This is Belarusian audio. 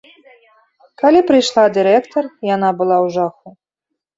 Калі прыйшла дырэктар, яна была ў жаху.